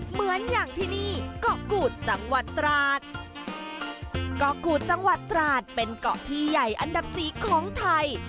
เหมือนอย่างที่นี่เกาะกูดจังหวัดตราดเกาะกูดจังหวัดตราดเป็นเกาะที่ใหญ่อันดับสี่ของไทย